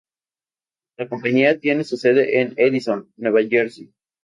La compañía tiene su sede en Edison, Nueva Jersey.